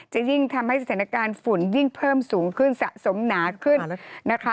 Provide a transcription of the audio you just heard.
จะยิ่งทำให้สถานการณ์ฝุ่นยิ่งเพิ่มสูงขึ้นสะสมหนาขึ้นนะคะ